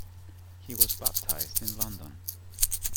He was baptised in London.